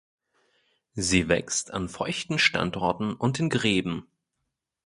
Sie wächst an feuchten Standorten und in Gräben.